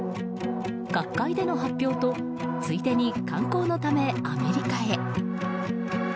学会での発表とついでに観光のためアメリカへ。